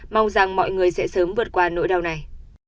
mong rằng mọi người sẽ sớm vượt qua nỗi đau này